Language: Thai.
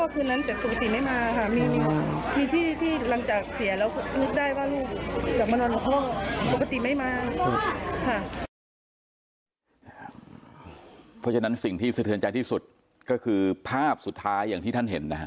เพราะฉะนั้นสิ่งที่สะเทือนใจที่สุดก็คือภาพสุดท้ายอย่างที่ท่านเห็นนะฮะ